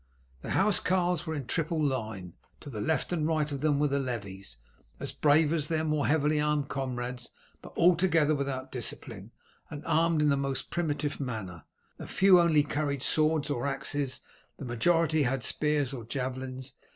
The housecarls were in a triple line. To the left and right of them were the levies, as brave as their more heavily armed comrades, but altogether without discipline, and armed in the most primitive manner. A few only carried swords or axes, the majority had spears or javelins.